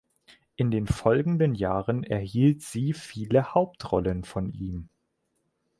In den folgenden Jahren erhielt sie viele Hauptrollen von ihm.